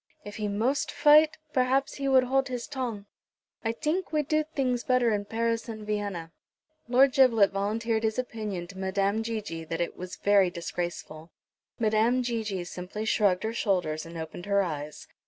If he most fight perhaps he would hold his tong. I tink we do things better in Paris and Vienna." Lord Giblet volunteered his opinion to Madame Gigi that it was very disgraceful. Madame Gigi simply shrugged her shoulders, and opened her eyes.